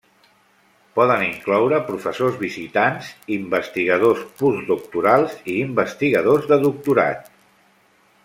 Poden incloure professors visitants, investigadors postdoctorals i investigadors de doctorat.